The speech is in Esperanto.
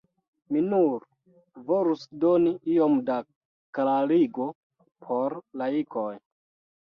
Mi nur volus doni iom da klarigo por laikoj.